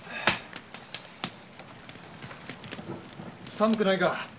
寒くないか？